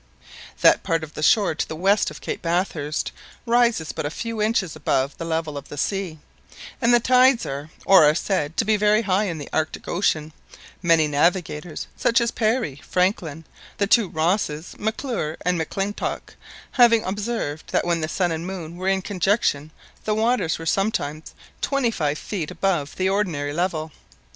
That part of the shore to the west of Cape Bathurst rises but a few inches above the level of the sea, and the tides are or are said to be very high in the Arctic Ocean many navigators, such as Parry, Franklin, the two Rosses, M'Clure, and M'Clintock, having observed that when the sun and moon were in conjunction the waters were sometimes twenty five feet above the ordinary level.